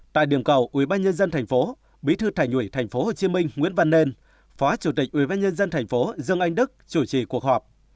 tại điểm cầu ubnd tp bí thư thành ủy tp hcm nguyễn văn nên phó chủ tịch ubnd tp dương anh đức chủ trì cuộc họp